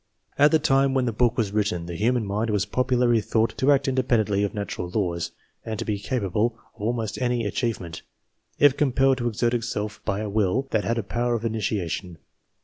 At the time when the book was written, the human mind was popularly thought to act independently of natural laws, and to be capable of almost any achieve ment, if compelled to exert itself by a will that had a power of initiation.